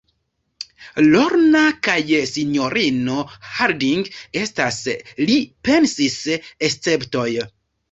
Lorna kaj sinjorino Harding estas, li pensis, esceptoj.